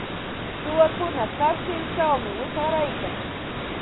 Suwakuna karsilćhawmi wichqaryarkan.